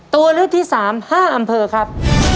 ตัวเลือกที่๓๕อำเภอครับ